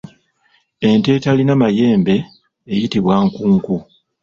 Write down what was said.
Ente eterina mayembe eyitibwa nkunku.